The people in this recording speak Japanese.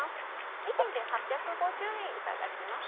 ２点で８５０円いただきます。